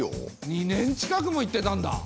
２年近くも行ってたんだ！